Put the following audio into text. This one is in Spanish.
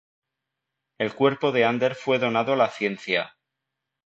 El cuerpo de Ander fue donado a la ciencia.